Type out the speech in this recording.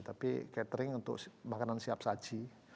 tapi catering untuk makanan siap saji